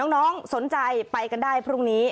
น้องสนใจไปกันได้พรุ่งนี้